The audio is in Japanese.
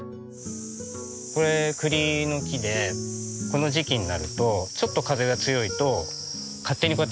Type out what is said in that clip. これ栗の木でこの時期になるとちょっと風が強いと勝手にこうやって落ちるんですよ。